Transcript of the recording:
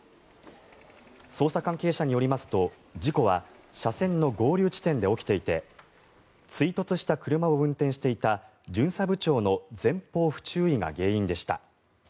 捜査関係者によりますと、事故は車線の合流地点で起きていて追突した車を運転していた巡査部長の前方不注意が原因でした。